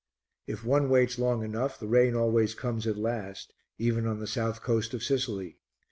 If one waits long enough the rain always comes at last, even on the south coast of Sicily.